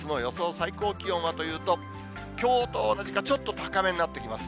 最高気温はというと、きょうと同じか、ちょっと高めになってきます。